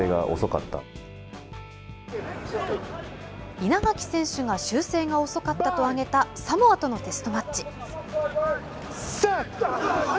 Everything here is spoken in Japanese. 稲垣選手が修正が遅かったと挙げたサモアとのテストマッチ。